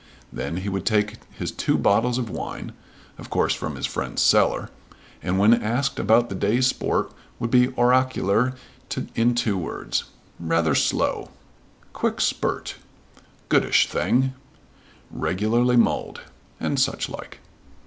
Then he would take his two bottles of wine, of course from his friend's cellar, and when asked about the day's sport would be oracular in two words, "Rather slow," "Quick spurt," "Goodish thing," "Regularly mulled," and such like.